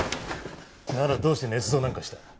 ならどうして捏造なんかした？